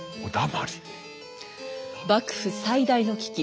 幕府最大の危機